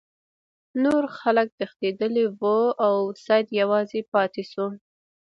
نور خلک تښتیدلي وو او سید یوازې پاتې شو.